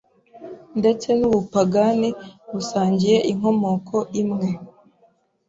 ndetse nubupagani busangiye inkomoko imwe